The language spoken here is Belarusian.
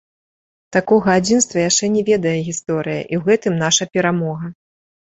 Такога адзінства яшчэ не ведае гісторыя, і ў гэтым наша перамога.